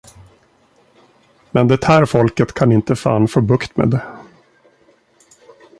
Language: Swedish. Men det här folket kan inte fan få bukt med.